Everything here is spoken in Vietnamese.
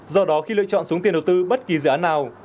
do đó khi lựa chọn xuống tiền đầu tư bất kỳ dự án nào